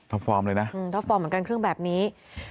ฟอร์มเลยนะท็อปฟอร์มเหมือนกันเครื่องแบบนี้